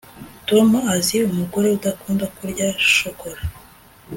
tom azi umugore udakunda kurya shokora